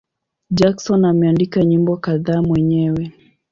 Jackson ameandika nyimbo kadhaa mwenyewe.